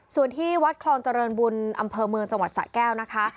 ส่วนที่วัดคลองเจริญบุญอำเภอเมืองจังหวัดสะแก้วนะคะ